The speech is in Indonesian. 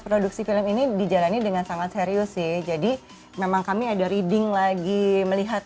produksi film ini dijalani dengan sangat serius sih jadi memang kami ada reading lagi melihat